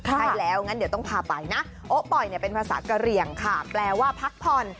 ใช่แล้วงั้นเดี๋ยวต้องพาไปนะโอ๊ปล่อยเป็นภาษากะเหลี่ยงค่ะแปลว่าพักผ่อน